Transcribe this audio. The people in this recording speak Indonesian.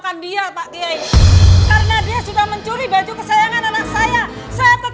karena dia sudah mencuri baju kesayangan anak saya